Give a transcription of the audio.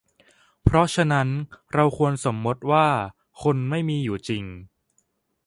เพราะฉะนั้น เราควรสมมติว่า คนไม่มีอยู่จริง